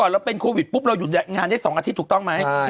เราเป็นโควิดปุ๊บเราหยุดงานได้๒อาทิตย์ถูกต้องไหม